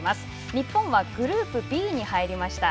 日本はグループＢに入りました。